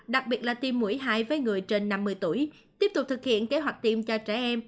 đặc biệt là tiêm mũi hai với người trên năm mươi tuổi tiếp tục thực hiện kế hoạch tiêm cho trẻ em